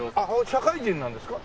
社会人なんですか？